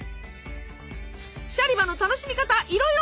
シャリバの楽しみ方いろいろ！